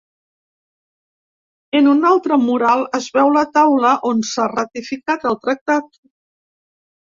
En un altre mural es veu la taula on s’ha ratificat el tractat.